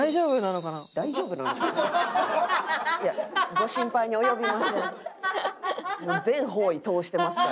ご心配に及びません。